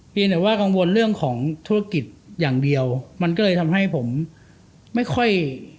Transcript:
แต่ว่ากังวลเรื่องของธุรกิจอย่างเดียวมันก็เลยทำให้ผมไม่ค่อย